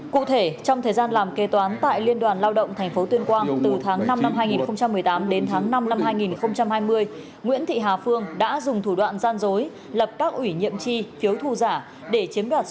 cụ thể trong thời gian làm kê toán tại liên đoàn lao động tp tuyên quang từ tháng năm năm hai nghìn một mươi tám đến tháng năm năm hai nghìn hai mươi nguyễn thị hà phương đã dùng thủ đoạn gian dối lập các ủy nhiệm chi phiếu thu giả